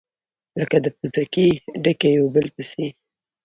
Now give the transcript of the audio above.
لكه د پوزکي ډَکي يو په بل پسي،